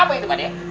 apa itu pade